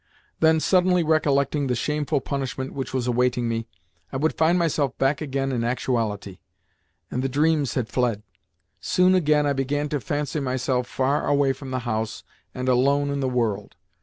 Then, suddenly recollecting the shameful punishment which was awaiting me, I would find myself back again in actuality, and the dreams had fled. Soon, again, I began to fancy myself far away from the house and alone in the world.